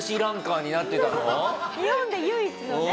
日本で唯一のね。